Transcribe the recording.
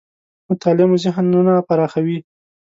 مطالعه مو ذهنونه پراخوي .